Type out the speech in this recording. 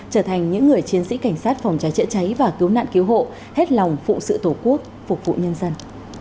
trở thành những người chiến sĩ cảnh sát phòng cháy chữa cháy và cứu nạn cứu hộ hết lòng phụ sự tổ quốc phục vụ nhân dân